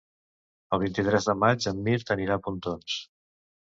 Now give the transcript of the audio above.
El vint-i-tres de maig en Mirt anirà a Pontons.